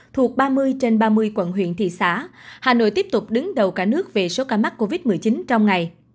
thuộc ba mươi trên ba mươi quận huyện thị xã hà nội tiếp tục đứng đầu cả nước về số ca mắc covid một mươi chín trong ngày